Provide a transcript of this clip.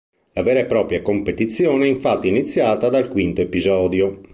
La vera e propria competizione è infatti iniziata dal quinto episodio.